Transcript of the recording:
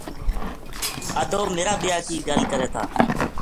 ادو میرا بیاہ کی گَل کرے تھا